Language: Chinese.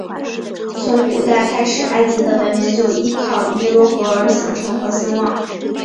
从古代开始埃及的文明就依靠尼罗河而形成和兴旺。